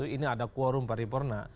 ini ada kuorum paripurna